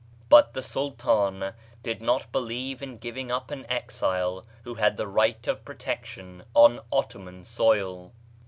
But the Sultan did not believe in giving up an exile who had the right of protection on Ottoman soil.